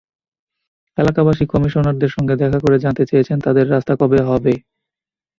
এলাকাবাসী কমিশনারদের সঙ্গে দেখা করে জানতে চেয়েছেন তাঁদের রাস্তা কবে হবে।